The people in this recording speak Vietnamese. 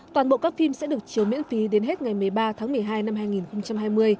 toàn bộ các phim sẽ được chiếu miễn phí đến hết ngày một mươi ba tháng một mươi hai năm hai nghìn hai mươi